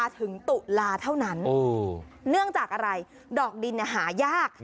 ถึงตุลาเท่านั้นเนื่องจากอะไรดอกดินหายาก